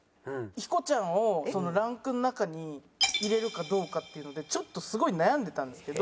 ヒコちゃんをランクの中に入れるかどうかっていうのでちょっとすごい悩んでたんですけど。